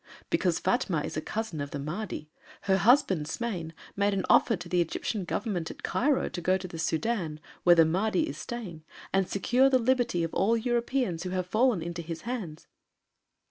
"Because Fatma is a cousin of the Mahdi. Her husband, Smain, made an offer to the Egyptian Government at Cairo to go to the Sudân, where the Mahdi is staying, and secure the liberty of all Europeans who have fallen into his hands."